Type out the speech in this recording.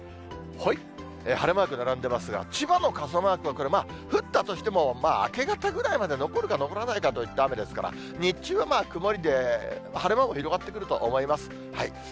晴れマーク並んでますが、千葉の傘マークはこれ降ったとしても明け方ぐらいまで残るか残らないかといった雨ですから、日中はまあ、曇りで、晴れ間も広がってくると思います。